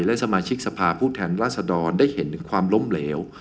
และสมาชิกสภาพผู้แทนราษฎรได้เห็นถึงความล้มเหลว